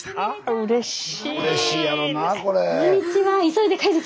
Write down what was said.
うれしい。